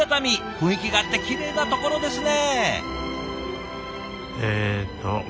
雰囲気があってきれいなところですね。